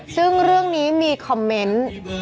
ซึ่งเรื่องนี้มีคอมเมนต์